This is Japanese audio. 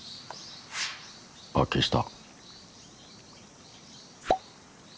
あっ消した。